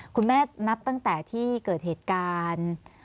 นับตั้งแต่ที่เกิดเหตุการณ์